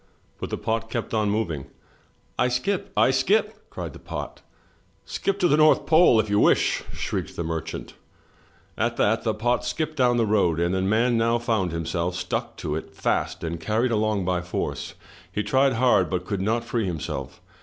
But the pot kept on moving. "I skip, I skip!" cried the pot. "Skip to the North Pole, if you wish," shrieked the merchant. At that, the pot skipped down the road, and the man now found himself stuck to it fast and carried along by force. He tried hard, but could not free himself.